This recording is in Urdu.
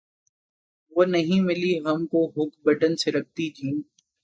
وہ نہیں ملی ہم کو ہک بٹن سرکتی جین